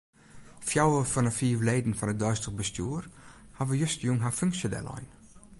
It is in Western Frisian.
Fjouwer fan 'e fiif leden fan it deistich bestjoer hawwe justerjûn har funksje dellein.